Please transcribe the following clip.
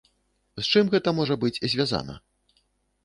З чым гэта можа быць звязана?